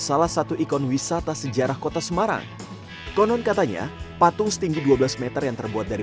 salah satu ikon wisata sejarah kota semarang konon katanya patung setinggi dua belas m yang terbuat dari